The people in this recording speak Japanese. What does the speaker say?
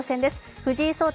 藤井聡太